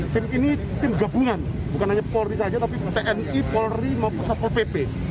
tim ini tim gabungan bukan hanya polri saja tapi tni polri maupun satpol pp